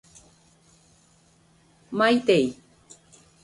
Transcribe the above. Maitei.